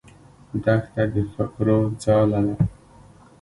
دښته د فکرو ځاله ده.